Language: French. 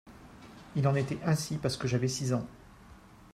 Il en était ainsi parce que j'avais six ans.